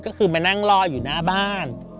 ก็คือมานั่งรออยู่หน้าบ้าน